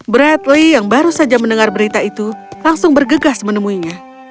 bradley yang baru saja mendengar berita itu langsung bergegas menemuinya